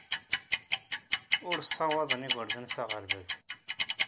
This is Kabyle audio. Ur ssawaḍen igerdan s aɣerbaz.